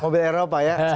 mobil eropa ya